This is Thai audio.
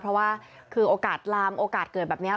เพราะว่าคือโอกาสลามโอกาสเกิดแบบนี้